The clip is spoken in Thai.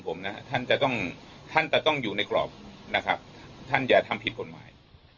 ผมนะท่านจะต้องท่านจะต้องอยู่ในกรอบนะครับท่านอย่าทำผิดกฎหมาย